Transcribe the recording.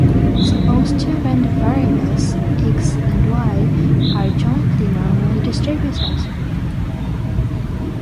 Suppose two random variables "X" and "Y" are "jointly" normally distributed.